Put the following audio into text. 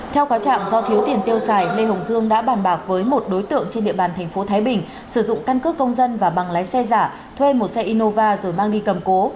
theo khóa trạm do thiếu tiền tiêu xài lê hồng dương đã bàn bạc với một đối tượng trên địa bàn tp thái bình sử dụng căn cứ công dân và bằng lái xe giả thuê một xe innova rồi mang đi cầm cố